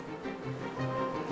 gue harus terus selidikin masalah ini